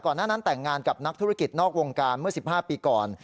หน้านั้นแต่งงานกับนักธุรกิจนอกวงการเมื่อ๑๕ปีก่อน